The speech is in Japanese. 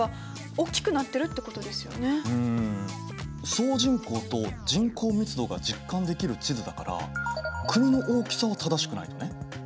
総人口と人口密度が実感できる地図だから国の大きさは正しくないとね。